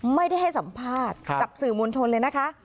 ไม่ได้ให้สัมภาษณ์กับสื่อมวลชนเลยนะคะ